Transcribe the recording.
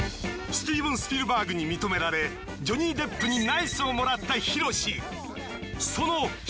スティーブン・スピルバーグに認められジョニー・デップにナイスをもらったヒロシ。